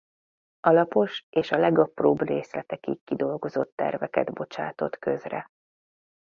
Alapos és a legapróbb részletekig kidolgozott terveket bocsátott közre.